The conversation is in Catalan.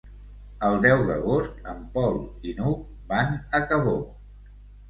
El deu d'agost en Pol i n'Hug van a Cabó.